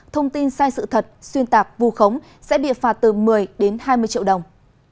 thông tin sai sự thật xuyên tạc vù khống sẽ bị phạt từ một mươi đến hai mươi triệu đồng